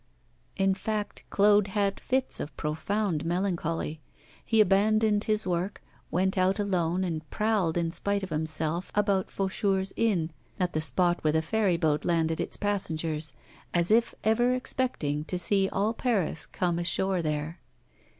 In fact, Claude had fits of profound melancholy. He abandoned his work, went out alone, and prowled in spite of himself about Faucheur's inn, at the spot where the ferry boat landed its passengers, as if ever expecting to see all Paris come ashore there.